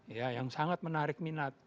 ya yang sangat menarik minat